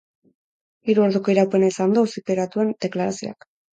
Hiru orduko iraupena izan du auzipetuaren deklarazioak.